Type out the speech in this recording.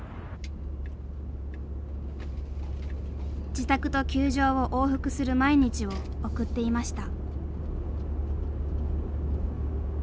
自宅と球場を往復する毎日を送っていました。